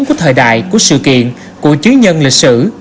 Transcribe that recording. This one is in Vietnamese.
của thời đại của sự kiện của chứ nhân lịch sử